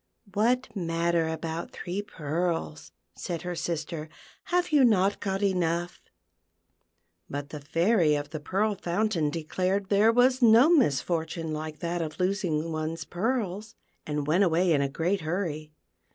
" What matter about three pearls," said her sister ;" have you not got enough .''" But the Fairy of the Pearl Fountain declared there was no misfortune like that of losing one's pearls, and went away in a great hurry.